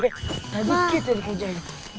udah dikit ya dikujanya